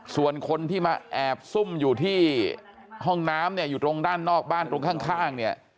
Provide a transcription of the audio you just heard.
ส่วนคนที่มาแอบซุ่มอยู่ที่ห้องน้ำเนี่ยอยู่ตรงด้านนอกบ้านตรงข้างเนี่ย